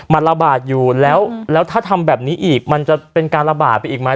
มันระบาดอยู่แล้วแล้วถ้าทำแบบนี้อีกมันจะเป็นการระบาดไปอีกไหม